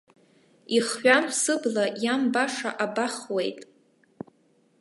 Ихҩам, сыбла иамбаша абахуеит.